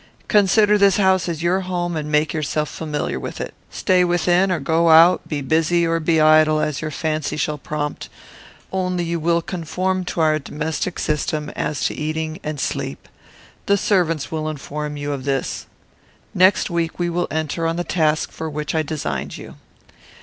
Consider this house as your home and make yourself familiar with it. Stay within or go out, be busy or be idle, as your fancy shall prompt: only you will conform to our domestic system as to eating and sleep; the servants will inform you of this. Next week we will enter on the task for which I designed you.